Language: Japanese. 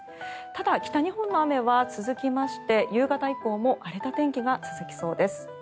ただ、北日本の雨は続きまして夕方以降も荒れた天気が続きそうです。